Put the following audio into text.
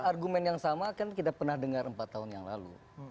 argumen yang sama kan kita pernah dengar empat tahun yang lalu